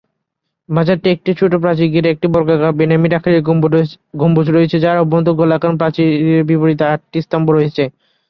মাজারটি একটি ছোট প্রাচীর ঘিরে একটি বর্গাকার পিরামিড আকৃতির গম্বুজ রয়েছে, যার অভ্যন্তর গোলাকার এবং প্রাচীরের বিপরীতে আটটি স্তম্ভ রয়েছে।